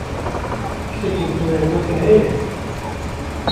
Tiştekî ku em bikin heye?